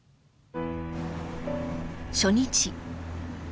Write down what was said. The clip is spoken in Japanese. ［初日］